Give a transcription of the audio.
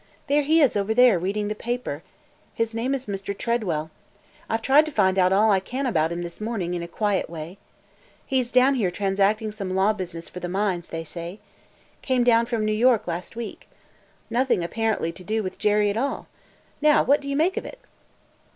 There he is over there, reading the paper. His name is Mr. Tredwell. I 've tried to find out all I can about him this morning in a quiet way. He 's down here transacting some law business for the mines, they say. Came down from New York last week. Nothing apparently to do with Jerry at all. Now what do you make of it?"